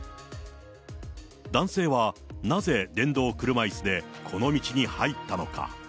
男性はなぜ電動車いすでこの道に入ったのか。